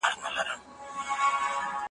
ځوان به ویښ وو هغه آش هغه کاسه وه `